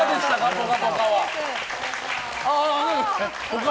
「ぽかぽか」は。